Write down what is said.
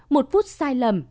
một phút sai lầm